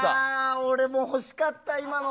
俺も欲しかった、今の。